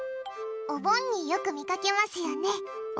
お盆によく見かけますよね。